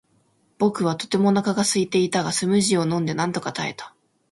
僕はとてもお腹がすいていたが、スムージーを飲んでなんとか耐えた。